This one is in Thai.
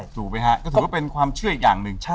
ถูกไหมฮะก็ถือว่าเป็นความเชื่ออีกอย่างหนึ่ง